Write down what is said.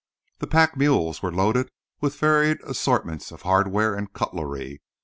The pack mules were loaded with a varied assortment of hardware and cutlery.